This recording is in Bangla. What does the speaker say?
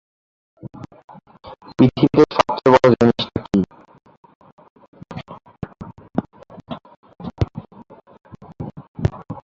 রাজ্যের রাজধানী জালিঙ্গেই।